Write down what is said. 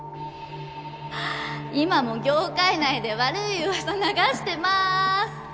今も業界内で悪い噂流してます！